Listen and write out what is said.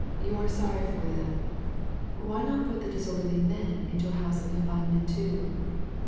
You are sorry for them. Why not put the disorderly men into a house of confinement, too?